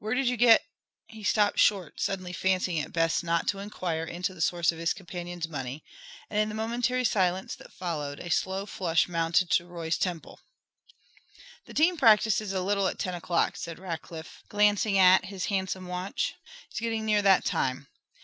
Where did you get " He stopped short, suddenly fancying it best not to inquire into the source of his companion's money, and in the momentary silence that followed a slow flush mounted to Roy's temples. "The team practices a little at ten o'clock," said Rackliff, glancing at his handsome watch. "It's getting near that time.